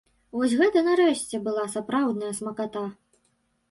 Вось гэта, нарэшце, была сапраўдная смаката!